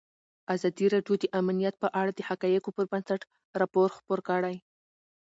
ازادي راډیو د امنیت په اړه د حقایقو پر بنسټ راپور خپور کړی.